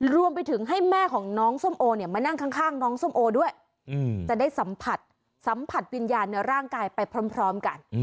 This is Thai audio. รวมไปถึงให้แม่ของน้องส้มโอเนี่ยมานั่งข้างน้องส้มโอด้วยจะได้สัมผัสสัมผัสวิญญาณในร่างกายไปพร้อมกัน